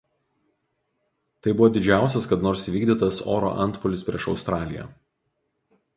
Tai buvo didžiausias kada nors įvykdytas oro antpuolis prieš Australiją.